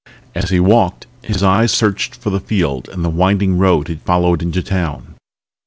As he walked his eyes searched for the field and the winding road he'd followed into town.